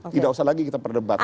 tidak usah lagi kita perdebatkan